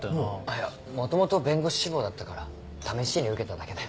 いやもともと弁護士志望だったから試しに受けただけだよ。